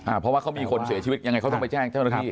เพราะว่าเขามีคนเสียชีวิตยังไงเขาต้องไปแจ้งเจ้าหน้าที่